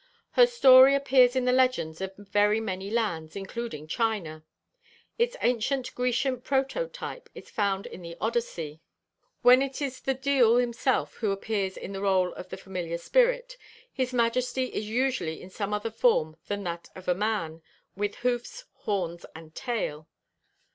Her story appears in the legends of very many lands, including China. Its ancient Grecian prototype is found in the Odyssey. When it is the Diawl himself who appears in the role of the familiar spirit, his majesty is usually in some other form than that of a man, with hoofs, horns, and tail.